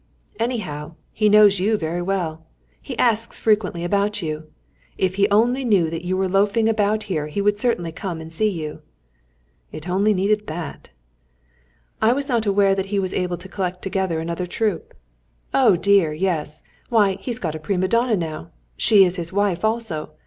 "Anyhow, he knows you very well. He asks frequently about you. If he only knew that you were loafing about here he would certainly come and see you." It only needed that! "I was not aware that he was able to collect together another troupe." "Oh dear, yes! Why, he's got a prima donna now. She is his wife also.